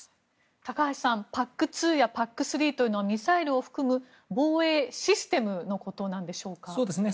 高橋さんＰＡＣ２やＰＡＣ３というのはミサイルを含む防衛システムのことなんでしょうか。